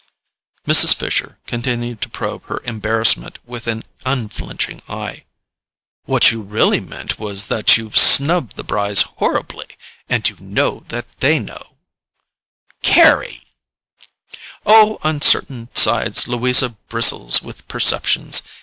Mrs. Fisher continued to probe her embarrassment with an unflinching eye. "What you really meant was that you've snubbed the Brys horribly; and you know that they know——" "Carry!" "Oh, on certain sides Louisa bristles with perceptions.